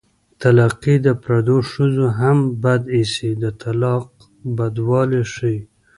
طلاقي د پردو ښځو هم بد ايسي د طلاق بدوالی ښيي